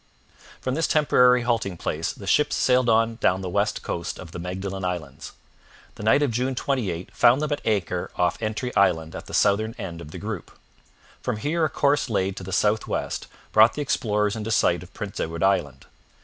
From this temporary halting place the ships sailed on down the west coast of the Magdalen Islands. The night of June 28 found them at anchor off Entry Island at the southern end of the group. From here a course laid to the south west brought the explorers into sight of Prince Edward Island.